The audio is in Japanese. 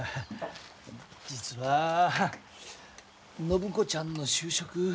実は暢子ちゃんの就職。